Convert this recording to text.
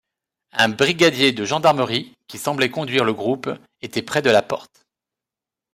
Un brigadier de gendarmerie, qui semblait conduire le groupe, était près de la porte.